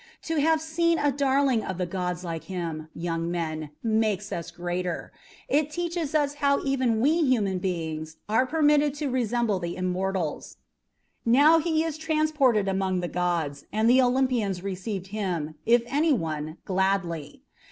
To have seen a darling of the gods like him, young men, makes us greater. It teaches us how even we human beings are permitted to resemble the immortals. Now he is transported among the gods, and the Olympians received him, if any one, gladly.